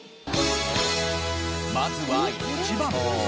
まずは１番。